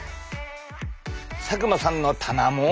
佐久間さんの棚も。